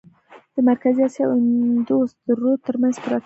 د مرکزي آسیا او اندوس د رود ترمنځ پرته وه.